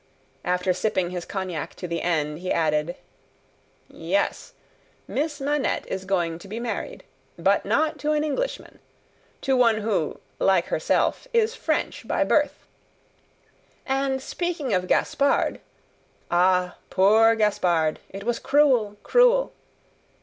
After sipping his cognac to the end, he added: "Yes, Miss Manette is going to be married. But not to an Englishman; to one who, like herself, is French by birth. And speaking of Gaspard (ah, poor Gaspard! It was cruel, cruel!)